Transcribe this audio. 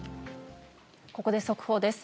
ここで速報です。